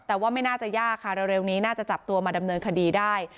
แต่ว่าไม่น่าจะยากค่ะเร็วนี้น่าจะจับตัวมาดำเนินคดีได้